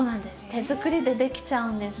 手作りでできちゃうんです。